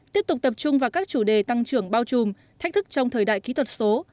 tiếp tục tập trung vào các chủ đề tăng trưởng bao trùm thách thức trong thời đại kỹ thuật số